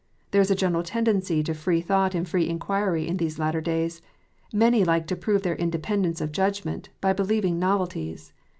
There is a general tendency to free thought and free inquiry in these latter days : many like to prove their independence of judgment, by believing novelties.